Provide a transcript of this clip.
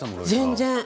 全然。